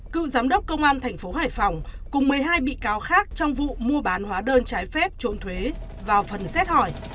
cựu giám đốc công an tp hải phòng cùng một mươi hai bị cáo khác trong vụ mua bán hóa đơn trái phép trộn thuế vào phần xét hỏi